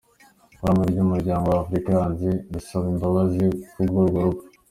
Ku ruhande rw’Umuryango wa Afurika yunze ubumwe, ndasaba imbabazi kubw’urwo rupfu.